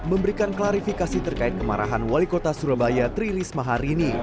memberikan klarifikasi terkait kemarahan wali kota surabaya tri risma hari ini